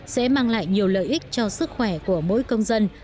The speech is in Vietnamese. sẽ mang lại nhiều lợi ích cho sức khỏe của mỗi công dân